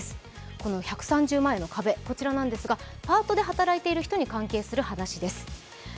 この１３０万円の壁ですがパートで働いている人に関係する話です。